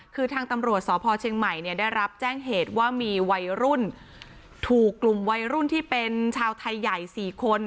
คือทางตำรวจสพเชียงใหม่เนี่ยได้รับแจ้งเหตุว่ามีวัยรุ่นถูกกลุ่มวัยรุ่นที่เป็นชาวไทยใหญ่๔คน